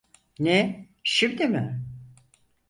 Ne, şimdi mi?